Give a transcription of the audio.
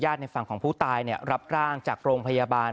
ในฝั่งของผู้ตายรับร่างจากโรงพยาบาล